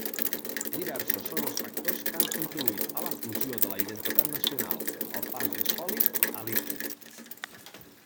Diversos són els factors que han contribuït a la «fusió» de la identitat nacional, al pas de sòlid a líquid.